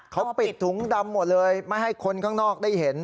เขาปิดถุงดำหมดเลยไม่ให้คนข้างนอกได้เห็น